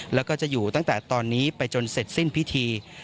แล้วก็จะอยู่ตั้งแต่ตอนนี้ไปจนเสร็จสิ้นพิธี